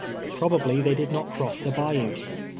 Probably they did not cross the bayou.